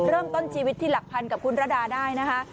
เริ่มต้นชีวิตที่หลักพันกับคุณระดาได้นะคะ